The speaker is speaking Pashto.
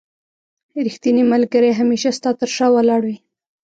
رښتينی ملګري هميشه ستا تر شا ولاړ وي.